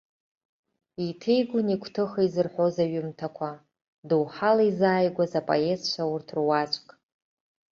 Еиҭеигон игәҭыха изырҳәоз аҩымҭақәа, доуҳала изааигәаз апоетцәа урҭ руаӡәк.